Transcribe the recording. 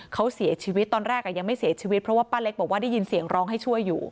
เขาเสียชีวิตตอนแรกยังไม่เสียชีวิตเพราะว่าป้าเล็กบอกว่าได้ยินเสียงร้องให้ช่วยอยู่